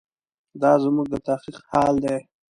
دا زموږ د تحقیق حال دی.